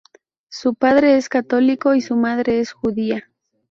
Su padre es católico y su madre es judía.